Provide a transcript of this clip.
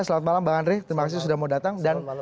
selamat malam bang andre terima kasih sudah mau datang